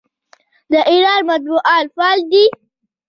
د ایران مطبوعات فعال دي.